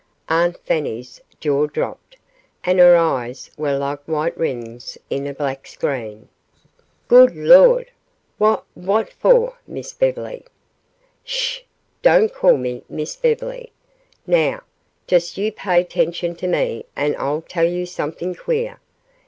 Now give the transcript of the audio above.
Aunt Fanny's jaw dropped, and her eyes were like white rings in a black screen. "Good Lawd wha what fo' Miss Bev'ly " "Sh! Don't call me Miss Bev'ly. Now, just you pay 'tention to me and I'll tell you something queer.